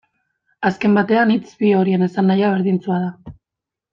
Azken batean, hitz bi horien esanahia berdintsua da.